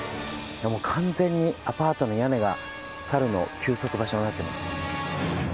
完全にアパートの屋根が猿の休息場所になっています。